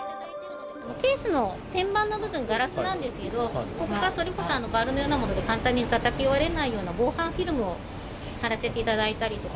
ケースのてんばんの部分、ガラスなんですけど、ここがそれこそバールのようなもので簡単にたたき割れないような防犯フィルムを貼らせていただいたりですとか。